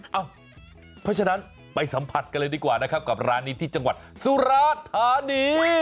เพราะฉะนั้นไปสัมผัสกันเลยดีกว่านะครับกับร้านนี้ที่จังหวัดสุราธานี